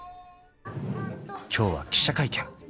［今日は記者会見］